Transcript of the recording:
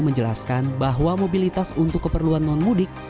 menjelaskan bahwa mobilitas untuk keperluan non mudik